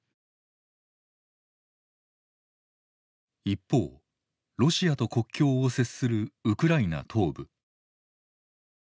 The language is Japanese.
一方ロシアと国境を接するウクライナ東部。